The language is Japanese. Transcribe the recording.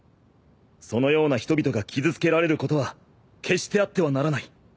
そのような人々が傷つけられることは決してあってはならない。